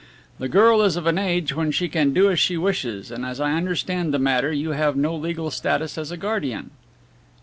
The girl is of an age when she can do as she wishes, and as I understand the matter you have no legal status as a guardian."